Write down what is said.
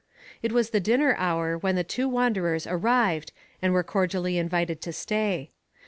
It was the dinner hour when the two wanderers arrived and were cordially invited to stay.